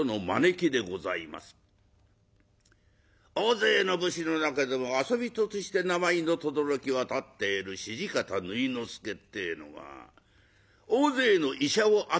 大勢の武士の中でも遊人として名前のとどろき渡っている土方縫之助ってえのが大勢の医者を集めての宴席です。